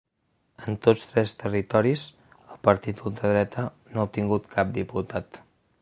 En tots tres territoris el partit d’ultradreta no ha obtingut cap diputat.